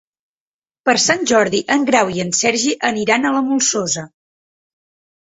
Per Sant Jordi en Grau i en Sergi aniran a la Molsosa.